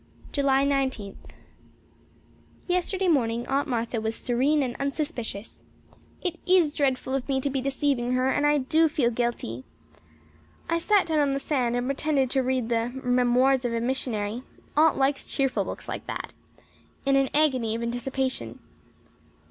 July Nineteenth. Yesterday morning Aunt Martha was serene and unsuspicious. It is dreadful of me to be deceiving her and I do feel guilty. I sat down on the sand and pretended to read the "Memoirs of a Missionary" Aunt likes cheerful books like that in an agony of anticipation.